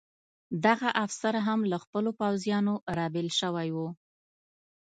دغه افسر هم له خپلو پوځیانو را بېل شوی و.